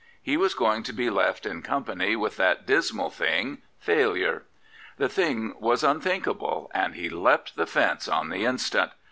He was going to be left 'in company with that dismal thing, failure. The thing was unthink able, and he leapt the fence on the instant.